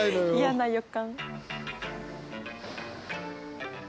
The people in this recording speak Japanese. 嫌な予感。